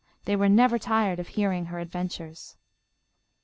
They were never tired of hearing of her adventures.